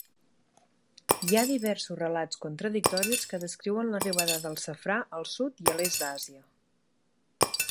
Hi ha diversos relats contradictoris que descriuen l'arribada del safrà al sud i a l'est d'Àsia.